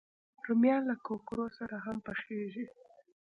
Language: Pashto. رومیان له کوکرو سره هم پخېږي